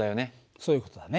そういう事だね。